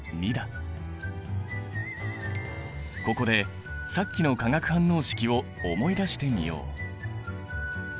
ここでさっきの化学反応式を思い出してみよう。